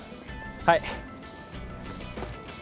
はい！